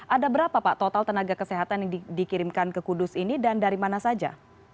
ada berapa pak total tenaga kesehatan yang dikirimkan ke kudus ini dan dari mana saja